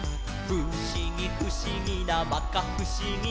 「ふしぎふしぎなまかふしぎ」